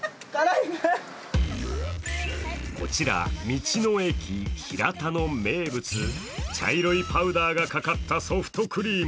こちら、道の駅ひらたの名物茶色いパウダーがかかったソフトクリーム